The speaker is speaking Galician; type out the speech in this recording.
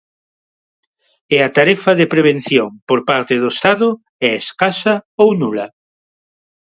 E a tarefa de prevención por parte do Estado é escasa ou nula.